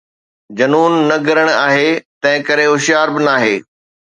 جنون نه گرڻ آهي، تنهنڪري هوشيار به ناهي